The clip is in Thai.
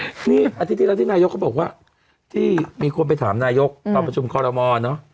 นี่อาทิตย์ที่แล้วที่นายกเขาบอกว่าที่มีคนไปถามนายกตอนประชุมคอรมอลเนอะ